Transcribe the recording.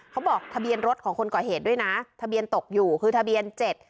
เขาบอกทะเบียนรถของคนก่อเหตุด้วยนะทะเบียนตกอยู่คือทะเบียนเจ็ด